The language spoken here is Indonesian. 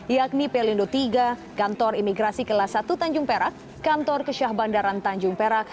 yakni pelindo tiga kantor imigrasi kelas satu tanjung perak kantor kesyah bandaran tanjung perak